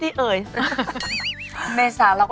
ดีมาก